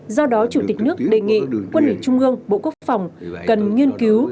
do đó chủ tịch nước đề nghị quân ủy trung ương bộ quốc phòng cần nghiên cứu